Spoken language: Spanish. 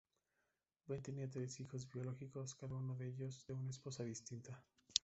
Ben tenía tres hijos biológicos, cada uno de ellos de una esposa distinta.